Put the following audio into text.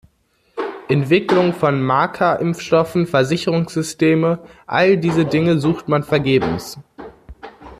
Entwicklung von Markerimpfstoffen, Versicherungssysteme, all diese Dinge sucht man vergebens.